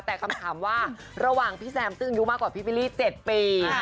แต่คำถามนะคะระหว่างพี่แซมตึงอยู่มากกว่าพี่วิลลี่เจ็ดปี